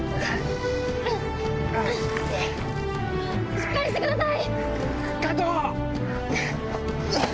しっかりしてください！